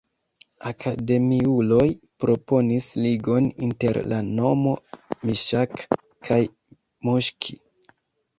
Akademiuloj proponis ligon inter la nomo Miŝak kaj Muŝki.